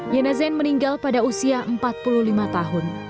yana zain meninggal pada usia empat puluh lima tahun